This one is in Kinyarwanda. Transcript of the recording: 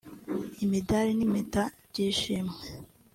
imidari n’impeta by’ishimwe